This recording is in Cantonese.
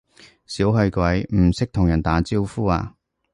小氣鬼，唔識同人打招呼呀？